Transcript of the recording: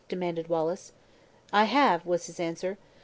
demanded Wallace. "I have," was his answer.